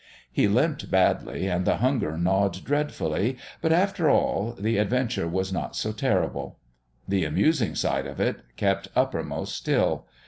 He limped badly, and the hunger gnawed dreadfully; but, after all, the adventure was not so terrible. The amusing side of it kept uppermost still.